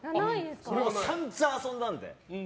散々遊んだんで。